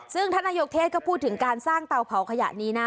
ซึ่งท่านนายกเทศก็พูดถึงการสร้างเตาเผาขยะนี้นะ